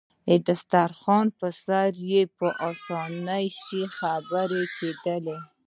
د دسترخوان پر سر يې په اسانۍ شیان پیدا کېدل.